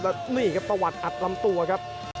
แล้วนี่ครับตะวัดอัดลำตัวครับ